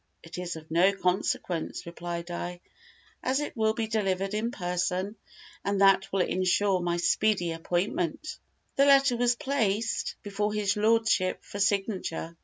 "It is of no consequence," replied I, "as it will be delivered in person, and that will insure my speedy appointment." The letter was placed before his lordship for signature.